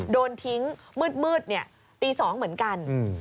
โดนทิ้งมืดตี๒เหมือนกัน